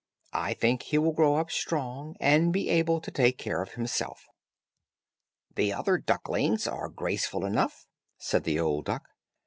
I think he will grow up strong, and able to take care of himself." "The other ducklings are graceful enough," said the old duck.